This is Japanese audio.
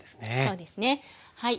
そうですねはい。